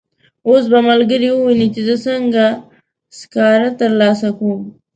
اوس به ملګري وویني چې زه څنګه سکاره ترلاسه کوم.